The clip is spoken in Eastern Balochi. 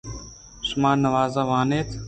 شما نماز وان اِت